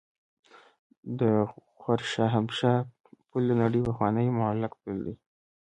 د غور شاهمشه پل د نړۍ پخوانی معلق پل دی